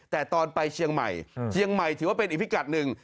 แต่ตอนไปเชียงใหม่เชียงใหม่ถือว่าเป็นอีกพิกัดหนึ่ง